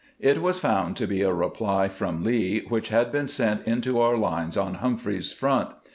It was found to be a reply from Lee, which had been sent into our lines on Humphreys's front.